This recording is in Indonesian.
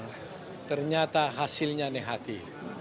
dan ternyata hasilnya nih hati